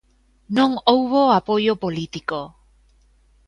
Non houbo apoio político.